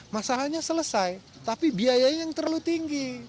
masalahnya selesai tapi biayanya yang terlalu tinggi